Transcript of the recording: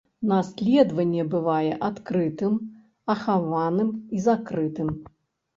Наследаванне бывае адкрытым, ахаваным і закрытым.